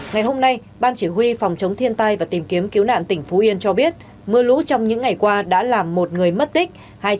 ngày hôm nay ban chỉ huy phòng chống thiên tai và tìm kiếm cứu nạn tỉnh phú yên cho biết mưa lũ trong những ngày qua đã làm một người mất tích